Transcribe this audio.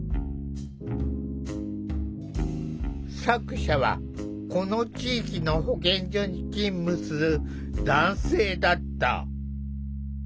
作者はこの地域の保健所に勤務する男性だった。